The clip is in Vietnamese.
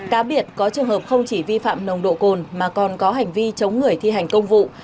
cá biệt có trường hợp không chỉ vi phạm nồng độ cồn mà còn có hành vi chống người thi hành công vụ